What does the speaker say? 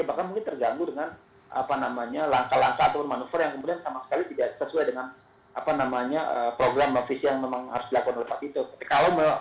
bahkan mungkin terganggu dengan langkah langkah atau manuver yang kemudian sama sekali tidak sesuai dengan program novisi yang memang harus dilakukan oleh pak tito